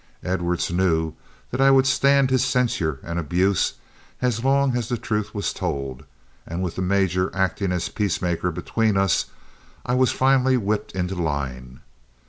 Edwards knew that I would stand his censure and abuse as long as the truth was told, and with the major acting as peacemaker between us I was finally whipped into line.